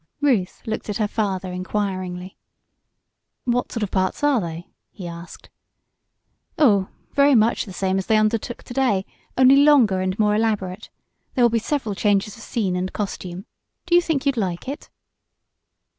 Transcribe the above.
Ruth looked at her father inquiringly. "What sort of parts are they?" he asked. "Oh, very much the same as they undertook to day, only longer and more elaborate. There will be several changes of scene and costume. Do you think you'd like it?"